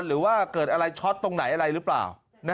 หรือว่าเกิดอะไรช็อตตรงไหนอะไรหรือเปล่า